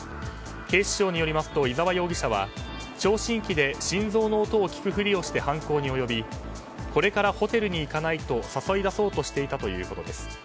警視庁によりますと伊沢容疑者は聴診器で心臓の音を聞くふりをして犯行に及びこれからホテルに行かない？と誘い出そうとしていたということです。